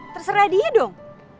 terserah dia dong